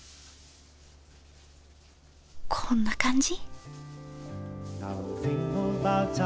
こんな感じ？